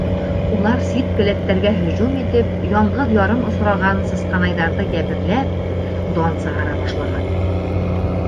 Улар сит келәттәргә һөжүм итеп, яңғыҙ-ярым осраған сысҡанайҙарҙы йәберләп, дан сығара башлаған.